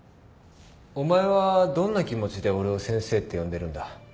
お前はどんな気持ちで俺を先生って呼んでるんだ？